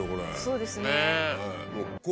そうですね。